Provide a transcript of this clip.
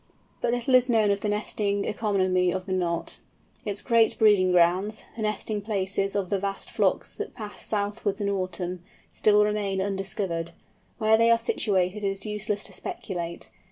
But little is known of the nesting economy of the Knot. Its great breeding grounds—the nesting places of the vast flocks that pass southwards in autumn—still remain undiscovered. Where they are situated it is useless to speculate.